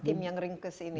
tim yang ringkes ini